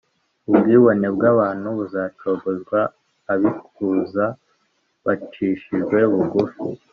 Ubwibone bw’abantu buzacogozwa, abikuza bacishwe bugufi: